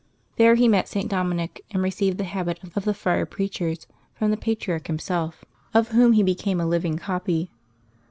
There he met St. Dominic, and received the habit of the Friar Preachers from the patriarch himself, of whom he became a living copy.